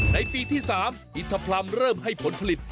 ในปีที่๓อินทพรรมเริ่มให้ผลผลิต